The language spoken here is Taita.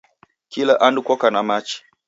Kila andu koka na machi